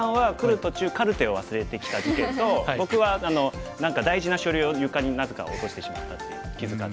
途中カルテを忘れてきた事件と僕は何か大事な書類を床になぜか落としてしまったっていう気付かず。